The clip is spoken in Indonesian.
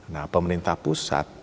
nah pemerintah pusat